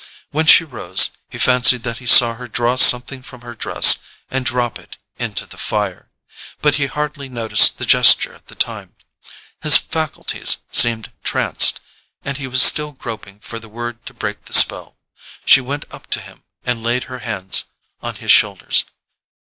When she rose he fancied that he saw her draw something from her dress and drop it into the fire; but he hardly noticed the gesture at the time. His faculties seemed tranced, and he was still groping for the word to break the spell. She went up to him and laid her hands on his shoulders.